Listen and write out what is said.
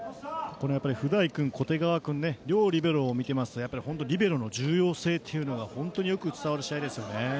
布台君、小手川君両リベロを見ていますとリベロの重要性というのが本当によく伝わる試合ですよね。